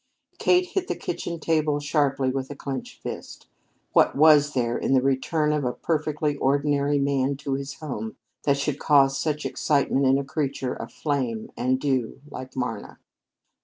Kate hit the kitchen table sharply with a clenched hand. What was there in the return of a perfectly ordinary man to his home that should cause such excitement in a creature of flame and dew like Marna?